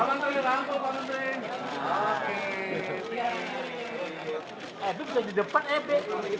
pak menteri pak menteri